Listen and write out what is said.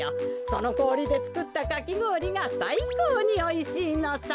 そのこおりでつくったかきごおりがさいこうにおいしいのさ。